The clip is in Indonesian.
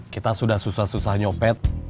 kita sudah susah susah nyopet